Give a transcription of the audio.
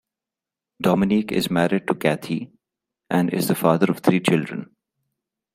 Dominic is married to Cathie and is the father of three children.